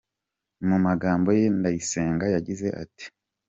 Mu gamabo ye Ndayisenga yagize ati;.